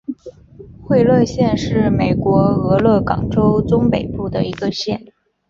惠勒县是美国俄勒冈州中北部的一个县。